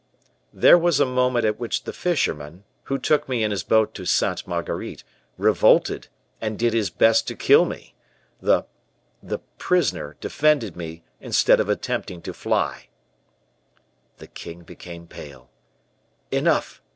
"There was a moment at which the fisherman who took me in his boat to Sainte Marguerite revolted, and did his best to kill me. The the prisoner defended me instead of attempting to fly." The king became pale. "Enough!"